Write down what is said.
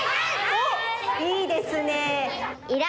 おっいいですね。